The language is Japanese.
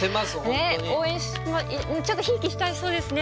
ちょっとひいきしちゃいそうですね